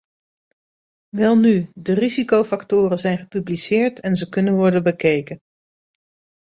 Welnu, de risicofactoren zijn gepubliceerd en ze kunnen worden bekeken.